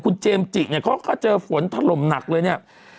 คุณเจมส์จิเนี่ยเขาก็เจอฝนถล่มหนักเลยเนี่ย